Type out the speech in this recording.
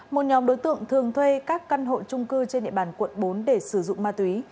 một nhóm đối tượng thường thuê các căn hộ trung cư trên địa bàn quận bốn để sử dụng ma túy